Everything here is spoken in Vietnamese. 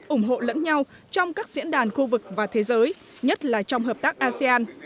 ủng hộ lẫn nhau trong các diễn đàn khu vực và thế giới nhất là trong hợp tác asean